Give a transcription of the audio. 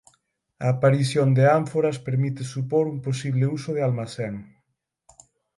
A aparición de ánforas permite supor un posible uso de almacén.